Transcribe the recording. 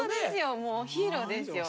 もうヒーローですよ。